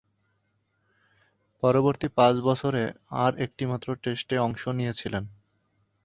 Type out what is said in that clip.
পরবর্তী পাঁচ বছরে আর একটিমাত্র টেস্টে অংশ নিয়েছিলেন।